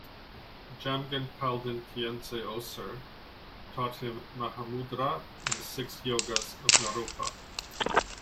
Jamgon Palden Kyentse Oser taught him Mahamudra and the Six Yogas of Naropa.